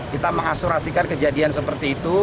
kita mengasurasikan kejadian seperti itu